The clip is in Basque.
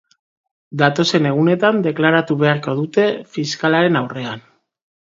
Datozen egunetan deklaratu beharko dute fiskalaren aurrean.